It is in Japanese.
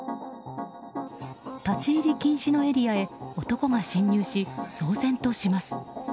立ち入り禁止のエリアへ男が侵入し騒然とします。